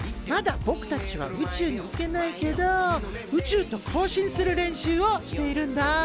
まだぼくたちは宇宙に行けないけど宇宙と交信する練習をしているんだ。